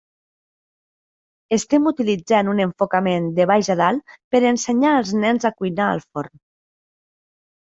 Estem utilitzant un enfocament de baix a dalt per ensenyar als nens a cuinar al forn.